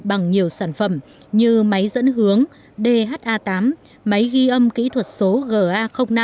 bằng nhiều sản phẩm như máy dẫn hướng dha tám máy ghi âm kỹ thuật số ga năm